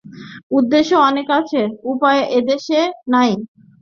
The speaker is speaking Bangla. উদ্দেশ্য অনেক আছে, উপায় এদেশে নাই।